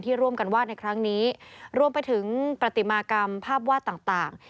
ร่วมกันวาดในครั้งนี้รวมไปถึงปฏิมากรรมภาพวาดต่าง